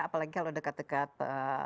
apalagi kalau dekat dekat